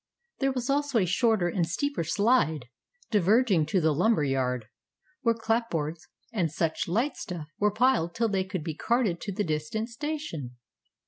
There was also a shorter and steeper "slide," diverging to the lumber yard, where clapboards and such light stuff were piled till they could be carted to the distant station.